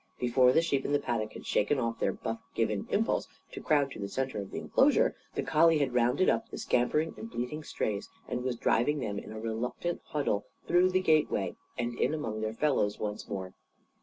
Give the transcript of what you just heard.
Before the sheep in the paddock had shaken off their Buff given impulse to crowd to the centre of the enclosure, the collie had rounded up the scampering and bleating strays and was driving them in a reluctant huddle through the gateway and in among their fellows once more.